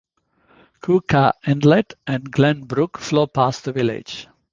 Keuka Inlet and Glen Brook flow past the village.